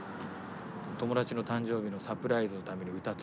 お友達の誕生日のサプライズのために歌作ったり。